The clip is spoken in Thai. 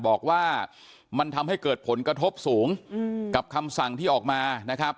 บอกว่ามันทำให้เกิดผลกระทบสูงกับคำสั่งที่ออกมานะครับ